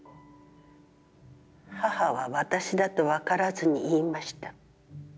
母は私だと分からずに言いました。